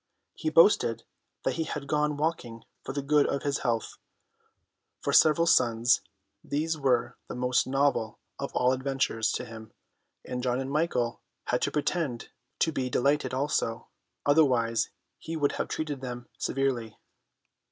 He boasted that he had gone walking for the good of his health. For several suns these were the most novel of all adventures to him; and John and Michael had to pretend to be delighted also; otherwise he would have treated them severely.